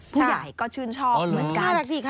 ผู้ใหญ่ก็ชื่นชอบเหมือนกัน